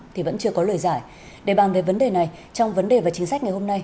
thì vẫn chưa có lời giải để bàn về vấn đề này trong vấn đề và chính sách ngày hôm nay